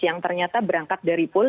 yang ternyata berangkat dari pool